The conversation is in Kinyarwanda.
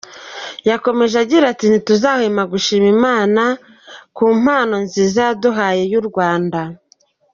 Yakomeje agira ati “Ntituzahwema gushima Imana ku mpano nziza yaduhaye y’u Rwanda.